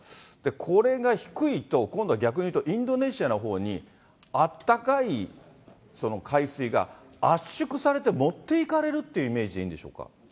これが低いと、今度は逆にいうと、インドネシアのほうにあったかい海水が圧縮されて持っていかれるというイメージでいいんでしょうか？